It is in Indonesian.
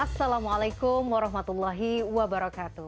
assalamualaikum warahmatullahi wabarakatuh